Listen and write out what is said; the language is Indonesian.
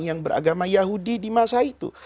yang beragama yahudi di masaikah